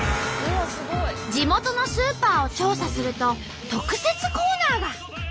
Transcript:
地元のスーパーを調査すると特設コーナーが。